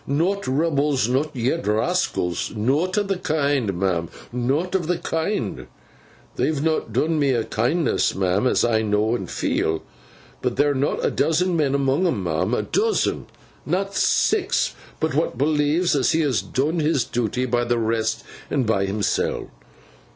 'Not rebels, nor yet rascals. Nowt o' th' kind, ma'am, nowt o' th' kind. They've not doon me a kindness, ma'am, as I know and feel. But there's not a dozen men amoong 'em, ma'am—a dozen? Not six—but what believes as he has doon his duty by the rest and by himseln.